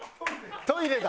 トイレだ。